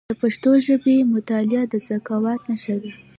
د پښتو ژبي مطالعه د ذکاوت نښه ده.